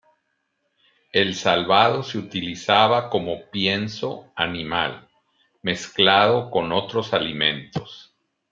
El salvado se utilizaba como pienso animal, mezclado con otros alimentos.